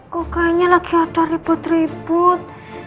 kok kayaknya lagi ada ribut ribut